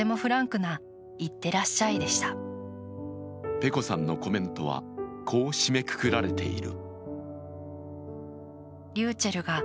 ｐｅｃｏさんのコメントはこう締めくくられている。